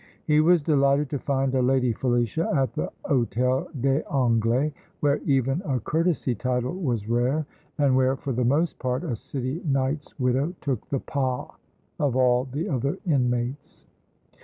He was delighted to find a Lady Felicia at the Hôtel des Anglais where even a courtesy title was rare, and where for the most part a City Knight's widow took the pas of all the other inmates.